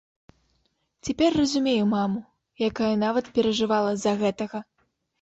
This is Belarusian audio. Цяпер разумею маму, якая нават перажывала з-за гэтага.